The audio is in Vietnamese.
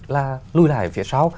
là lùi lại phía sau